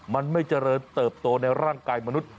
มันไม่เจริญเติบโตในร่างกายมนุษย